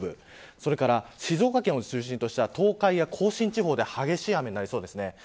それから静岡県を中心とした東海や甲信地方で激しい雨になりそうです。